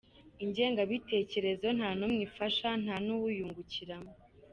Ingengabitekerezo nta n’umwe ifasha nta n’uyungukiramo.